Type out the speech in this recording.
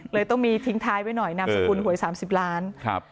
ต้องมีทิ้งท้ายไว้หน่อยนามสกุลหวย๓๐ล้าน